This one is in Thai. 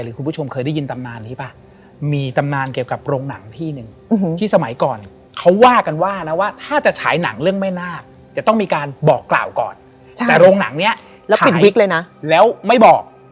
เราแบบผัวรู้แล้วว่าเราแบบ